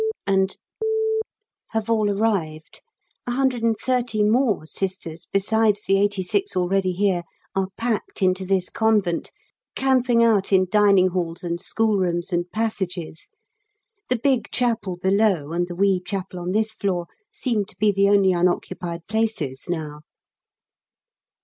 , and have all arrived; 130 more Sisters besides the 86 already here are packed into this Convent, camping out in dining halls and schoolrooms and passages. The big Chapel below and the wee Chapel on this floor seem to be the only unoccupied places now.